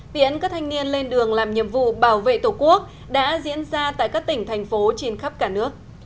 hiện các thanh niên lên đường làm nhiệm vụ bảo vệ tổ quốc đã diễn ra tại các tỉnh thành phố trên khắp cả nước